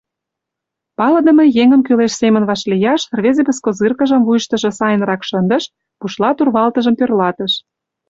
Палыдыме еҥым кӱлеш семын вашлияш рвезе бескозыркыжым вуйыштыжо сайынрак шындыш, бушлат урвалтыжым тӧрлатыш.